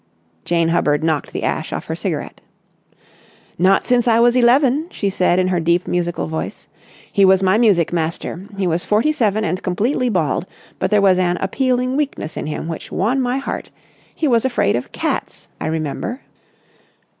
Jane Hubbard knocked the ash off her cigarette. "Not since I was eleven," she said in her deep musical voice. "He was my music master. He was forty seven and completely bald, but there was an appealing weakness in him which won my heart. He was afraid of cats, I remember."